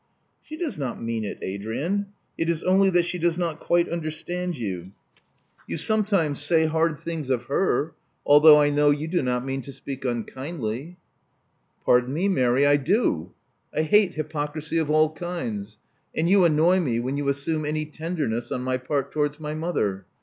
"She does not mean it, Adrian. It is only that she does not quite understand you. You sometimes say 46 Love Among the Artists hard things of her, although I know you do not mean to speak unkindly. ''Pardon me, Mary, I do. I hate hjrpocrisy of all kinds; and you annoy me when you assume any tender ness on my part towards my mother.